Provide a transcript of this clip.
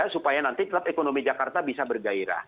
supaya nanti tetap ekonomi jakarta bisa bergairah